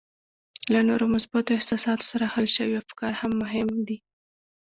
له نورو مثبتو احساساتو سره حل شوي افکار هم مهم دي